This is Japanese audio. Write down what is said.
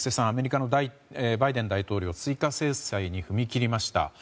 アメリカのバイデン大統領は追加制裁に踏み切りました。